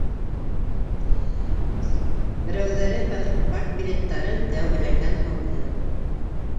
Берәүҙәре партбилеттарын тәүгеләрҙән һалды.